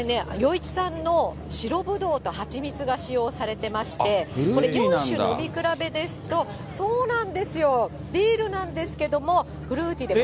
いち産の白ブドウと蜂蜜が使用されていまして、これ、４種飲み比べですと、ビールなんですけど、フルーティーで。